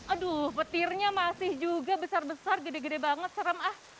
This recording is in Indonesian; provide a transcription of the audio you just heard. aduh petirnya masih juga besar besar gede gede banget serem ah